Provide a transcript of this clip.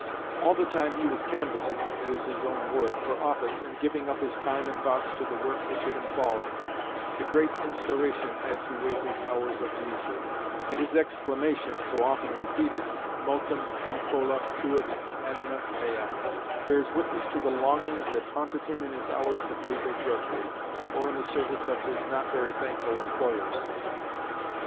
All the time that he was "canvassing" (it is his own word) for office, and giving up his time and thoughts to the work which it involved, the great Instauration had to wait his hours of leisure; and his exclamation, so often repeated, Multum incola fuit anima mea, bears witness to the longings that haunted him in his hours of legal drudgery, or in the service of his not very thankful employers.